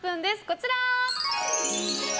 こちら。